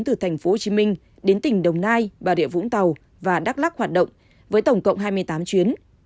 từ tp hcm đến tỉnh đồng nai bà địa vũng tàu và đắk lắc hoạt động với tổng cộng hai mươi tám chuyến